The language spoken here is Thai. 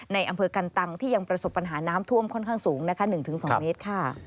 ในอำเภอกันตังที่ยังประสบปัญหาน้ำท่วมค่อนข้างสูงนะคะ๑๒เมตรค่ะ